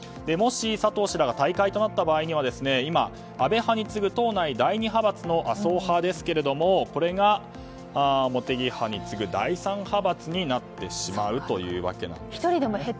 もし、佐藤氏らが退会となった場合には今、安倍派に次ぐ党内第２派閥の麻生派ですけれどもこれが茂木派に次ぐ第３派閥になってしまうというわけなんですね。